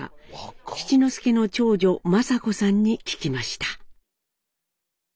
七之助の長女昌子さんに聞きました。